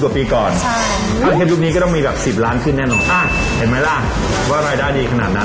ประมาณ๒๐กว่าปีที่แล้วอยู่ประมาณ๖ล้าน